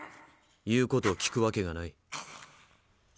言うことを聞くわけがない。